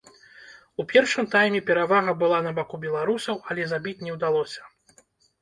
У першым тайме перавага была на баку беларусаў, але забіць не ўдалося.